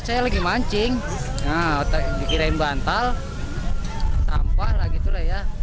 saya lagi mancing dikirain bantal sampah lah gitu lah ya